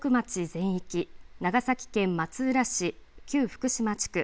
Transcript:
全域長崎県松浦市旧福島地区